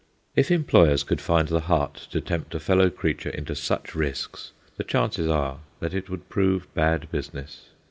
If employers could find the heart to tempt a fellow creature into such risks, the chances are that it would prove bad business.